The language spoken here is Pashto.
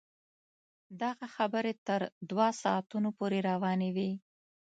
دغه خبرې تر دوه ساعتونو پورې روانې وې.